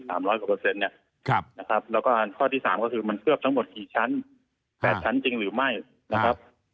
นะครับแล้วก็ข้อที่สามก็คือมันเคลือบทั้งหมดกี่ชั้นแปดชั้นจริงหรือไม่นะครับ